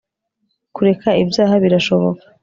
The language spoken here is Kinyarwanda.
kureka ibyaha birashoboka